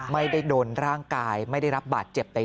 ไม่ได้โดนร่างกายไม่ได้รับบาดเจ็บแต่